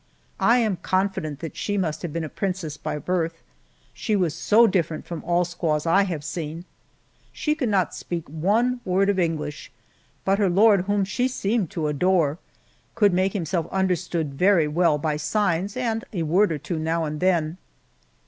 I am confident that she must have been a princess by birth, she was so different from all squaws I have seen. She could not speak one word of English, but her lord, whom she seemed to adore, could make himself understood very well by signs and a word now and then.